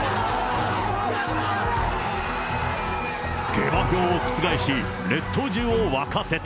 下馬評を覆し、列島中を沸かせた。